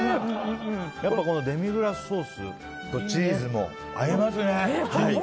やっぱデミグラスソースとチーズ、合いますね。